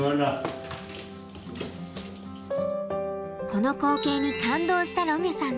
この光景に感動したロミュさん。